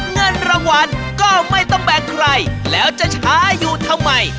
เงินรางวัลก็ไม่ต้องแบ่งใครแล้วจะช้าอยู่ทำไม